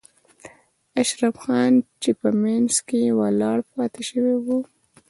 اشرف خان چې په منځ کې ولاړ پاتې شوی و.